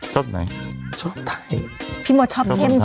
ชอบไหนชอบไทยพี่มดชอบเข้ม